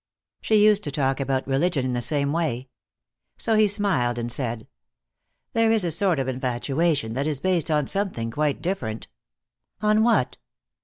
She used to talk about religion in the same way. So he smiled and said: "There is a sort of infatuation that is based on something quite different." "On what?"